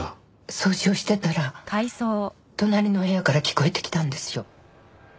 掃除をしてたら隣の部屋から聞こえてきたんですよ。